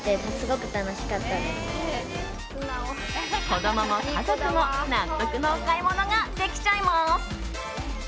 子供も家族も納得のお買い物ができちゃいます！